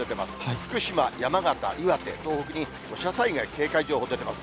福島、山形、岩手、東北に土砂災害警戒情報出てます。